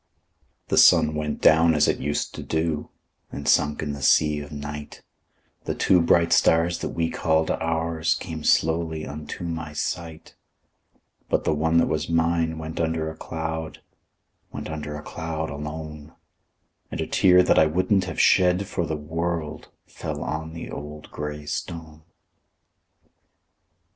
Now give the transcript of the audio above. The sun went down as it used to do, And sunk in the sea of night; The two bright stars that we called ours Came slowly unto my sight; But the one that was mine went under a cloud— Went under a cloud, alone; And a tear that I wouldn't have shed for the world, Fell down on the old gray stone.